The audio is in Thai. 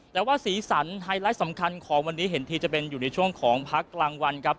แต่ว่าสีสันไฮไลท์สำคัญของวันนี้เห็นทีจะเป็นอยู่ในช่วงของพักกลางวันครับ